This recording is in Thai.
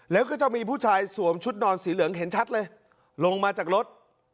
แล้วก็จะมีผู้ชายสวมชุดนอนสีเหลืองเห็นชัดเลยลงมาจากรถ